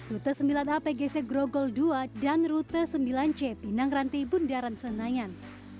rute sembilan a pgc grogol dua dan rute sembilan c pinang ranti bundaran senayan